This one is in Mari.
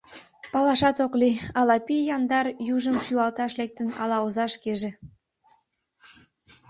Палашат ок лий: ала пий яндар южым шӱлалташ лектын, ала оза шкеже.